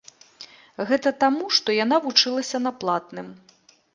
Гэта таму, што яна вучылася на платным.